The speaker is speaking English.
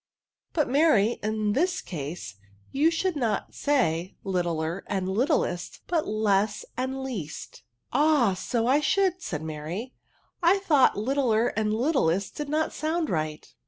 But, Mary, in this case, you should not say littler and littlest, but less and least.^' 32 ADJECTIVES. " Ah, so I should," said Mfury ;" I thought littler and littlest did not sound right."